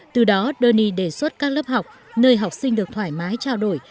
từ đó donay đề xuất các lớp học nơi học sinh được thoải mái trao đổi